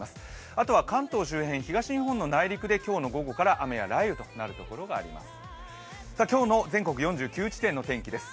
あとは関東周辺、東日本の内陸で今日の午後から雨や雷雨となるところがあります。